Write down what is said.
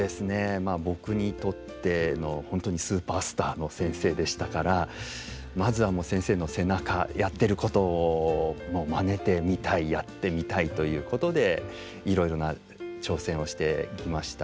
まあ僕にとっての本当にスーパースターの先生でしたからまずは先生の背中やってることをまねてみたいやってみたいということでいろいろな挑戦をしてきました。